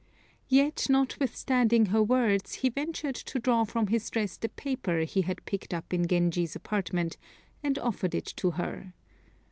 Yet, notwithstanding her words, he ventured to draw from his dress the paper he had picked up in Genji's apartment, and offered it to her.